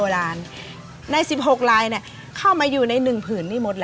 โรนใน๑๖รายเนี่ยเข้ามาอยู่ใน๑ผืนนี่หมดแหละ